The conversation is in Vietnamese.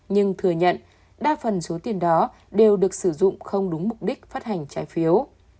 nhưng thừa nhận đa phần số tiền đó đều được sử dụng không đúng mục đích phát hành trái phiếu